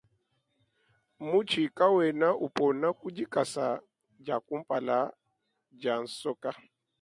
Mutshi kawena upona ku dikasa dia kumpala dia nsoka.